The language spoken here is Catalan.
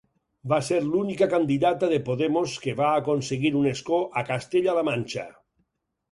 Va ser l'única candidata de Podemos que va aconseguir un escó a Castella-la Manxa.